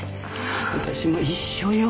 私も一緒よ。